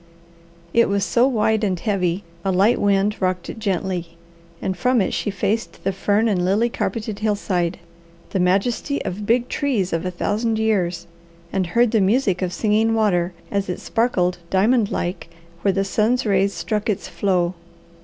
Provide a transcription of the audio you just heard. It was so wide and heavy a light wind rocked it gently, and from it she faced the fern and lily carpeted hillside, the majesty of big trees of a thousand years, and heard the music of Singing Water as it sparkled diamond like where the sun rays struck its flow.